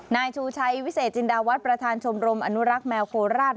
นายชูชัยวิเศษจินดาวัฒน์ประธานชมรมอนุรักษ์แมวโคราช